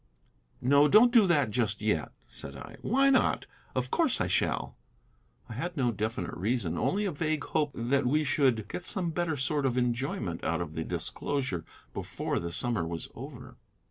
"No, don't do that just yet," said I. "Why not? Of course I shall." I had no definite reason, only a vague hope that we should get some better sort of enjoyment out of the disclosure before the summer was over.